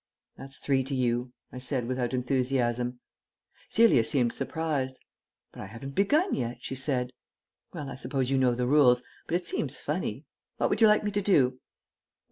"That's three to you," I said without enthusiasm. Celia seemed surprised. "But I haven't begun yet," she said. "Well, I suppose you know the rules, but it seems funny. What would you like me to do?"